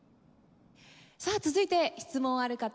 さあ続いて質問ある方。